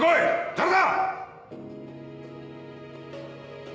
誰だ！